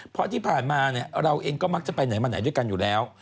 เพราะที่ผ่านมาเราเองก็มักจะไปไหนมาไหนด้วยกันอยู่แล้ว